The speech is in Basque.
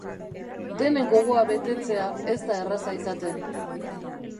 Denen gogoa betetzea ez da erraza izaten.